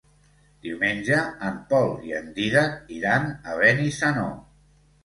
Diumenge en Pol i en Dídac iran a Benissanó.